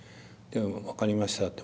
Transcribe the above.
「分かりました」って。